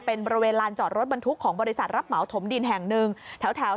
เป็นบริเวณลานจอดรถบรรทุกของบริษัทรัพมะอ๒๐๓๐แถว